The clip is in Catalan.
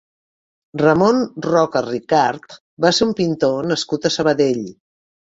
Ramon Roca Ricart va ser un pintor nascut a Sabadell.